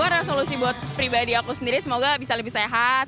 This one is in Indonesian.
dua ribu dua puluh dua resolusi buat pribadi aku sendiri semoga bisa lebih sehat